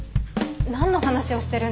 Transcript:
何の話をしてるんです？